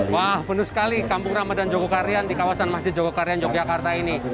wah penuh sekali kampung ramadan jogokarian di kawasan masjid jogokarian yogyakarta ini